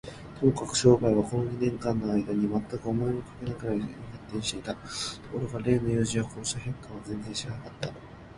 ともかく商売は、この二年間のあいだに、まったく思いもかけぬくらいに発展していた。ところが例の友人は、こうした変化を全然知らなかった。